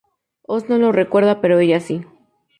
Oz no lo recuerda pero ella sí.